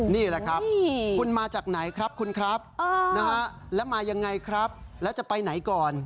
นี่แหละครับคุณมาจากไหนครับคุณครับแล้วมายังไงครับแล้วจะไปไหนก่อน